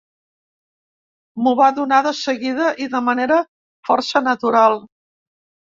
M'ho va donar de seguida i de manera força natural.